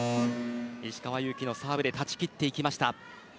石川祐希のサーブで断ち切っていきました。